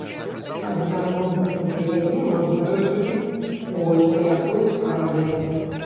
А звярнуцца да яе мы вырашылі вось па якой справе.